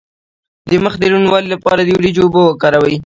د مخ د روڼوالي لپاره د وریجو اوبه وکاروئ